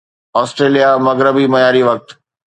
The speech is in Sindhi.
آسٽريليا مغربي معياري وقت